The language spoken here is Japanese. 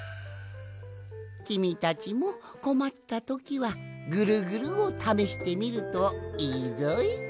きみたちもこまったときはぐるぐるをためしてみるといいぞい。